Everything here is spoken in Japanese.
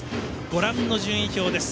ご覧の順位表です。